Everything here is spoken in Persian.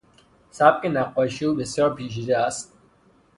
سبک نقاشی او بسیار پیچیده است.